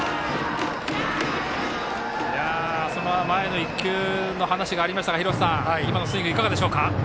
前の１球の話がありましたが廣瀬さん、今のスイングいかがでしょうか？